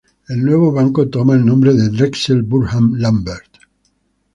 El nuevo banco toma el nombre de Drexel Burnham Lambert.